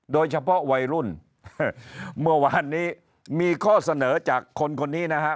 โดยเฉพาะวัยรุ่นเมื่อวานนี้มีข้อเสนอจากคนคนนี้นะฮะ